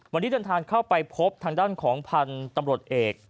วันนี้เดินทางเข้าไปพบทางด้านของพันธุ์ตำรวจเอก